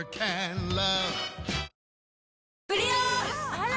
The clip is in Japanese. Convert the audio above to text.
あら！